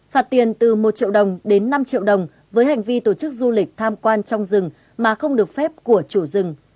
phạt tiền từ một triệu đồng đến năm triệu đồng với hành vi tổ chức du lịch tham quan trong rừng mà không được phép của chủ rừng